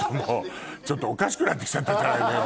ちょっとおかしくなってきちゃったじゃないのよ